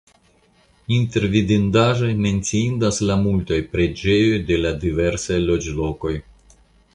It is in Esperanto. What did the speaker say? Inter vidindaĵoj menciindas la multaj preĝejoj de la diversaj loĝlokoj.